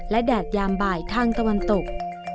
และแดดยามบ่ายทางตะวันตก